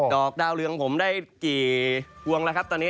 อกดาวเรืองผมได้กี่พวงแล้วครับตอนนี้